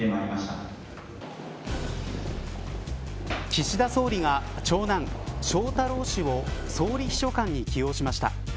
岸田総理が、長男翔太郎氏を総理秘書官に起用しました。